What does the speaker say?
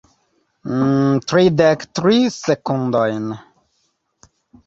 ... tridek tri sekundojn